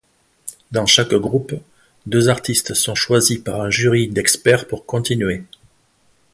Dans chaque groupe, deux artistes sont choisis par un jury d'expert pour continuer.